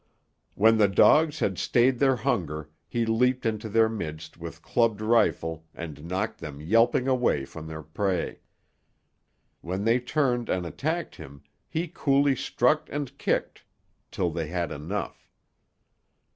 When the dogs had stayed their hunger he leaped into their midst with clubbed rifle and knocked them yelping away from their prey. When they turned and attacked him he coolly struck and kicked till they had enough.